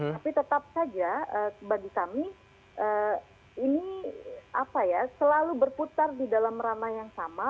tapi tetap saja bagi kami ini selalu berputar di dalam ranah yang sama